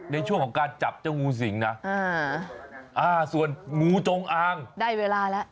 ในช่วงของการจับเจ้างูสิงนะส่วนงูจงอางได้เวลาแล้ว